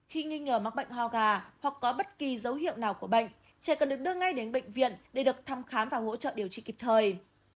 khi nghi ngờ mắc bệnh ho gà hoặc có bất kỳ dấu hiệu nào của bệnh trẻ cần được đưa ngay đến bệnh viện để được thăm khám và hỗ trợ điều trị kịp thời